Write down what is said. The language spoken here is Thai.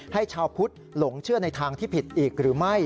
ให้ชาวพุทธหลงเชื่อในทางที่ผิดอีกหรือไม่